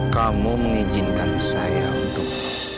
kamu mengizinkan saya untuk